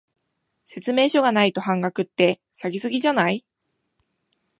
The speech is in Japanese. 説明書がないと半額って、下げ過ぎじゃない？